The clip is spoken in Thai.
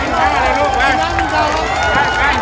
สวัสดีครับทุกคน